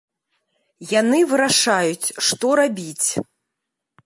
Яны вырашаюць, што рабіць.